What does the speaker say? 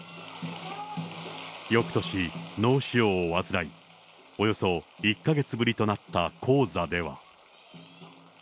よくとし、脳腫瘍を患い、およそ１か月ぶりとなった高座では。